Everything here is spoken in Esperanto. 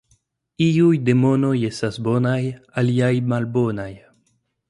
Iuj demonoj estas bonaj, aliaj malbonaj.